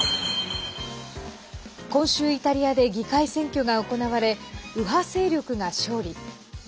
今週、イタリアで議会選挙が行われ右派勢力が勝利。